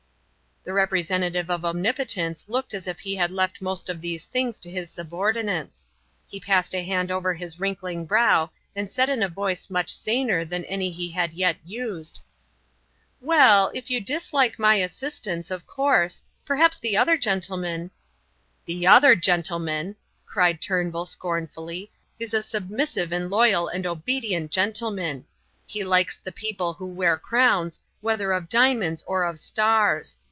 The representative of omnipotence looked as if he had left most of these things to his subordinates; he passed a hand over his wrinkling brow and said in a voice much saner than any he had yet used: "Well, if you dislike my assistance, of course perhaps the other gentleman " "The other gentleman," cried Turnbull, scornfully, "is a submissive and loyal and obedient gentleman. He likes the people who wear crowns, whether of diamonds or of stars.